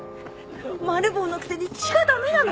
マル暴のくせに血が駄目なの！？